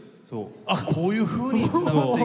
あっこういうふうにつながっていくんだ。